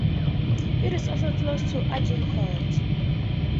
It is also close to Agincourt.